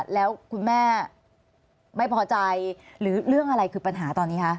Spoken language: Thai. แล้วคุณแม่ไม่พอใจหรือเรื่องอะไรคือปัญหาตอนนี้คะ